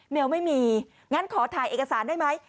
ไม่มีงั้นขอถ่ายเอกสารได้ไหม